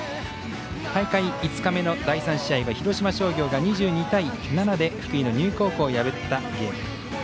大会５日目の第３試合は広島商業が２２対７で福井の丹生高校を破ったゲーム。